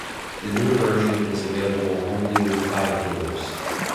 The new version is available only with five doors.